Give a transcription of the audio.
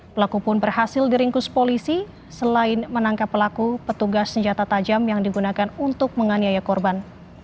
pelaku pun berhasil diringkus polisi selain menangkap pelaku petugas senjata tajam yang digunakan untuk menganiaya korban